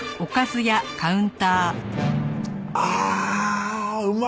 ああうまい！